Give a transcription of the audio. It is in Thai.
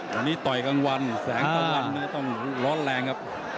วันนี้ต่อยกลางวันแสงกลางวันนี้ต้องร้อนแรงครับ